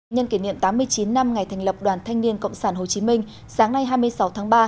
nhân kỷ niệm tám mươi chín năm ngày thành lập đoàn thanh niên cộng sản hồ chí minh sáng nay hai mươi sáu tháng ba